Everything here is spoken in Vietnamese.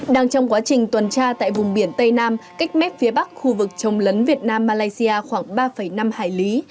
đang trong quá trình tuần tra tại vùng biển tây nam cách mép phía bắc khu vực trồng lấn việt nam malaysia khoảng ba năm hải lý